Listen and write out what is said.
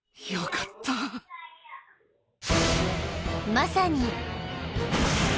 ［まさに］